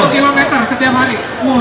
satu km setiap hari